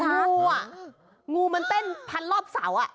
งูอ่ะงูมันเต้นพันรอบเสาอ่ะ